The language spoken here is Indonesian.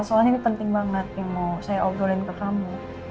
soalnya ini penting banget yang mau saya obrolin ke kamu